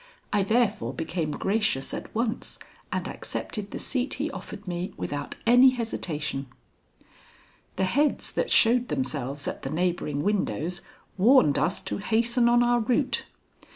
I therefore became gracious at once and accepted the seat he offered me without any hesitation. The heads that showed themselves at the neighboring windows warned us to hasten on our route.